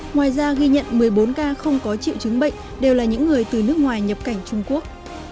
ngoài ra ghi nhận một mươi bốn ca không có triệu chứng bệnh đều là những người từ nước ngoài nhập cảnh trung quốc